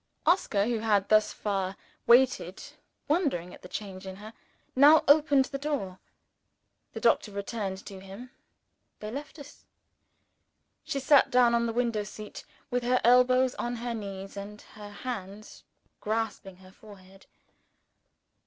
Oscar, who had thus far waited, wondering at the change in her, now opened the door. The doctor returned to him. They left us. She sat down on the window seat, with her elbows on her knees and her hands grasping her forehead.